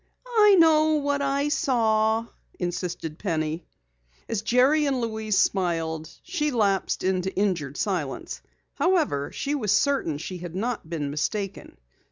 "I know what I saw," insisted Penny. As Jerry and Louise smiled, she lapsed into injured silence. However, she was certain she had not been mistaken.